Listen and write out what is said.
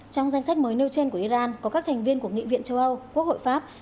trong danh sách mới nêu trên của iran có các thành viên của nghị viện châu âu quốc hội pháp